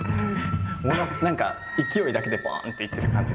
何か勢いだけでボンっていってる感じが。